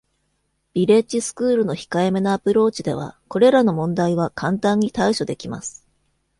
ビレッジスクールの控えめなアプローチでは、これらの問題は簡単に対処できます。